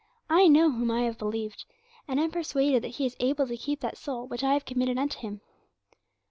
I know whom I have believed, and am persuaded that He is able to keep that soul which I have committed unto Him."'